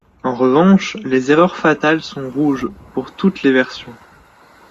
En revanche, les erreurs fatales sont rouges pour toutes les versions.